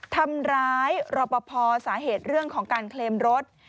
ทำร้ายรอปภสาเหตุเรื่องของการเคลมรถ